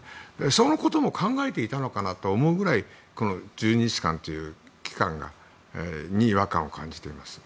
そのことも考えていたのかなと思うぐらい１２日間という期間に違和感を感じています。